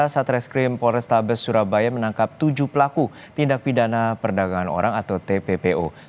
satreskrim polrestabes surabaya menangkap tujuh pelaku tindak pidana perdagangan orang atau tppo